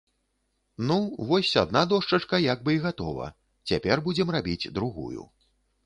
Ну, вось адна дошчачка як бы і гатова, цяпер будзем рабіць другую.